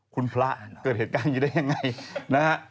คุณพระเกิดเหตุการณ์อยู่ได้ยังไง